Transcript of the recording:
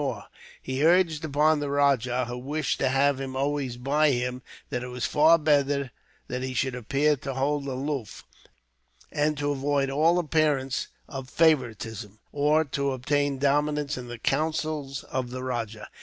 He urged upon the rajah, who wished to have him always by him, that it was far better that he should appear to hold aloof, and to avoid all appearance of favouritism, or of a desire to obtain dominance in the counsels of the rajah.